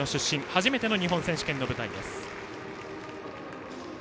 初めての日本選手権の舞台。